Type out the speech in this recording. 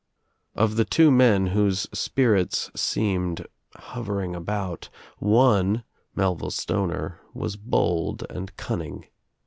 Of the two men whose spirits seemed hovering about one, Melville Stoner, was bold and cunning.